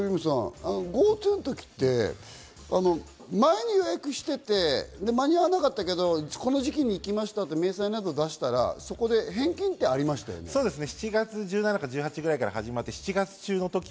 ＧｏＴｏの時って前に予約していて間に合わなかったけど、この時期に行きましたと明細など出したら、そこで返金ってありましたよね？